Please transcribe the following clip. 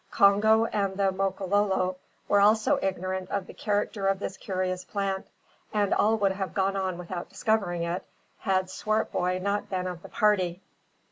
Congo and the Makololo were also ignorant of the character of this curious plant; and all would have gone on without discovering it, had Swartboy not been of the party.